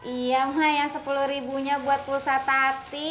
iya ma yang sepuluh ribunya buat pulsa tadi